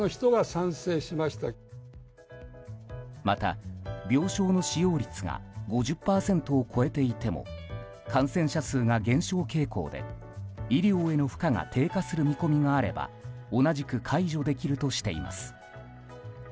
また病床の使用率が５０％を超えていても感染者数が減少傾向で医療への負荷が低下する見込みがあれば同じく解除できるとしています。